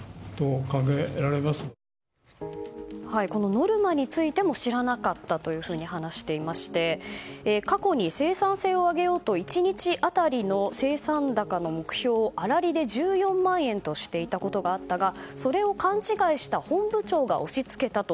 ノルマについても知らなかったと話していまして過去に生産性を上げようと１日当たりの生産高の目標を粗利で１４万円としていたことがあったがそれを勘違いした本部長が押し付けたと。